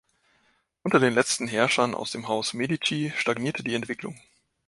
Unter den letzten Herrschern aus dem Haus Medici stagnierte die Entwicklung.